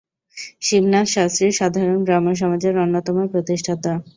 শিবনাথ শাস্ত্রী সাধারণ ব্রাহ্মসমাজের অন্যতম প্রতিষ্ঠাতা।